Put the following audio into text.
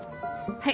はい。